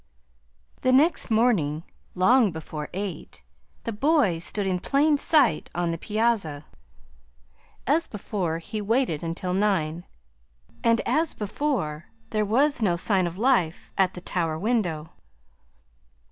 "The next morning, long before eight, the boy stood in plain sight on the piazza. As before he waited until nine; and as before there was no sign of life at the tower window.